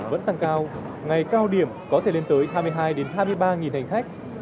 vẫn tăng cao ngày cao điểm có thể lên tới hai mươi hai hai mươi ba hành khách